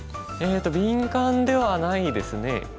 えっと敏感ではないですね。